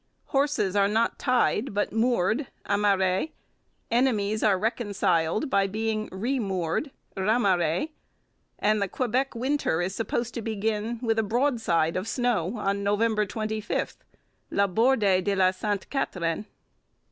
Horses are not tied but moored (amarrés); enemies are reconciled by being re moored (ramarrés); and the Quebec winter is supposed to begin with a 'broadside' of snow on November 25 (la bordée de la Sainte Catherine).